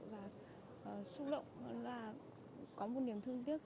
và xúc động là có một niềm thương tiếc